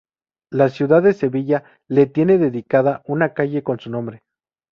La ciudad de Sevilla le tiene dedicada una calle con su nombre.